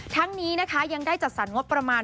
ทั้งนี้นะคะยังได้จัดสรรงบประมาณ